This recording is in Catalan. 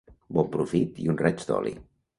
Bon profit i un raig d'oli.